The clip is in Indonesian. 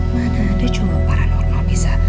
mana ada jumlah paranormal bisa